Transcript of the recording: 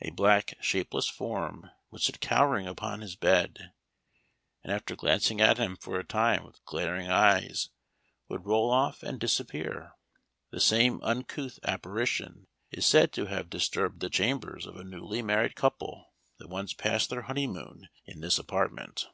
A black shapeless form would sit cowering upon his bed, and after gazing at him for a time with glaring eyes, would roll off and disappear. The same uncouth apparition is said to have disturbed the slumbers of a newly married couple that once passed their honeymoon in this apartment.